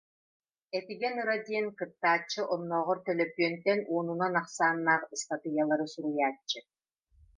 Этигэн Ыра диэн кыттааччы оннооҕор төлөпүөнтэн уонунан ахсааннаах ыстатыйалары суруйааччы